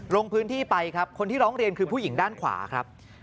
ลงพื้นที่ไปครับคนที่ร้องเรียนคือผู้หญิงด้านขวาครับ